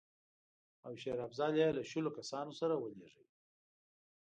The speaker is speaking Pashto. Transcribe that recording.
او شېر افضل یې له شلو کسانو سره ولېږه.